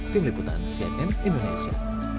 tim liputan cnn indonesia